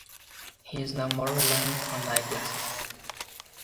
He is now more reliant on eyeglasses.